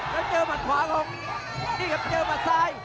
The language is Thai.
แล้วเจอหมัดขวาของนี่ครับเจอหมัดซ้าย